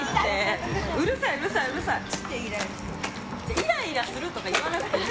イライラするとか言わなくていい！